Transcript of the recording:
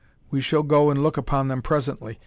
We shall go and look upon them presently.